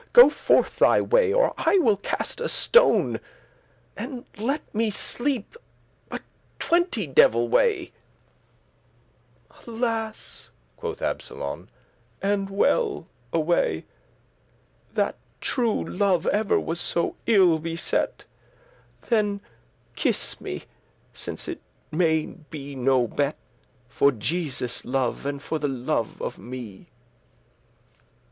Go forth thy way, or I will cast a stone; And let me sleep; *a twenty devil way*. *twenty devils take ye!* "Alas!" quoth Absolon, "and well away! That true love ever was so ill beset: Then kiss me, since that it may be no bet*, *better For Jesus' love, and for the love of me."